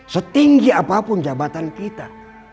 setinggi apapun jabatan kita